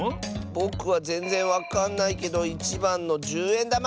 ぼくはぜんぜんわかんないけど１ばんのじゅうえんだま！